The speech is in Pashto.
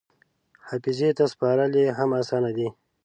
حافظې ته سپارل یې هم اسانه دي.